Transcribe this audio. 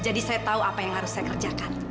jadi saya tau apa yang harus saya kerjakan